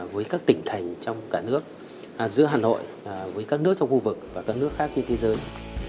với các tỉnh thành trong cả nước giữa hà nội với các nước trong khu vực và các nước khác trên thế giới